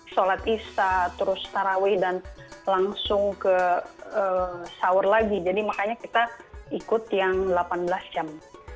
sholat isya terus taraweh dan langsung ke sahur lagi jadi makanya kita ikut yang delapan belas jam